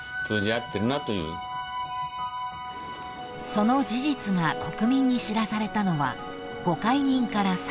［その事実が国民に知らされたのはご懐妊から３カ月］